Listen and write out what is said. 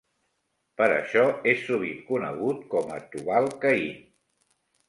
Per això és sovint conegut com a Tubal-Caín.